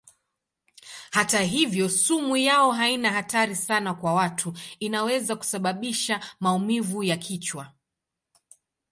Hata hivyo sumu yao haina hatari sana kwa watu; inaweza kusababisha maumivu ya kichwa.